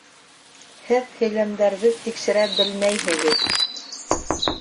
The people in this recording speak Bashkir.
Һеҙ һөйләмдәрҙе тикшерә белмәйһегеҙ